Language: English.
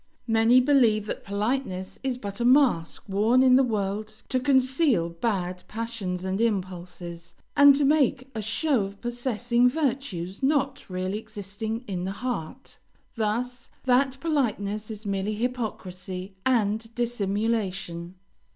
Many believe that politeness is but a mask worn in the world to conceal bad passions and impulses, and to make a show of possessing virtues not really existing in the heart; thus, that politeness is merely hypocrisy and dissimulation.